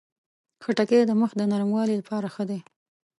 خټکی د مخ د نرموالي لپاره ښه دی.